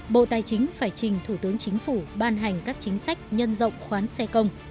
bộ tài chính phải trình thủ tướng chính phủ ban hành các chính sách nhân rộng khoán xe công